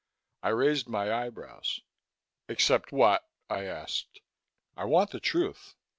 I raised my eyebrows. "Except what?" I asked. "I want the truth."